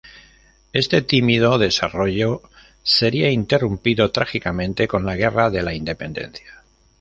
Este tímido desarrollo sería interrumpido trágicamente con la Guerra de la Independencia.